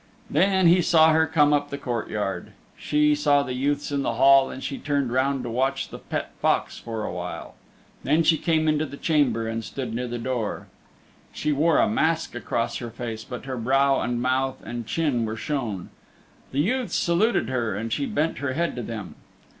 Then he saw her come up the courtyard. She saw the youths in the hall and she turned round to watch the pet fox for a while. Then she came into the chamber and stood near the door. She wore a mask across her face, but her brow and mouth and chin were shown. The youths saluted her, and she bent her head to them.